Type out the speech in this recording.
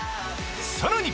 さらに。